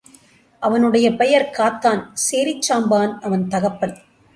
அவனுடைய பெயர் காத்தான் சேரிச் சாம்பான் அவன் தகப்பன்.